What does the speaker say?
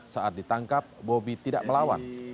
saat ditangkap bobby tidak melawan